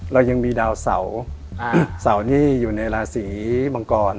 เรายังมีดาวเสาเสานี่อยู่ในราศีมังกร